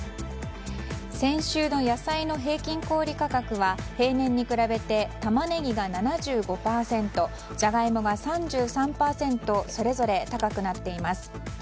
先週の野菜の平均小売価格は平年に比べてタマネギが７５％ジャガイモが３３％それぞれ高くなっています。